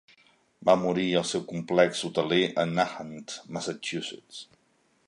Va morir al seu complex hoteler a Nahant, Massachusetts.